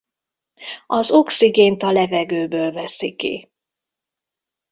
Az oxigént a levegőből veszi ki.